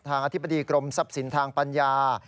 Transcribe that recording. อธิบดีกรมทรัพย์สินทางปัญญา